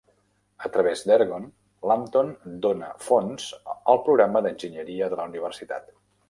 A través d'Ergon, Lampton dóna fons al programa d'enginyeria de la universitat.